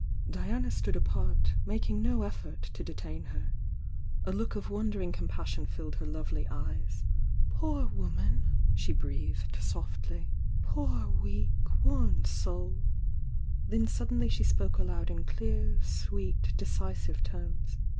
Diana stood apart, making no effort to detain her. A look of wondering compassion filled her lovely eyes. "Poor woman !" she breathed, softly. "Poor weak, worn soul!" Then suddenly she spoke aloud in clear, sweet, decisive tones.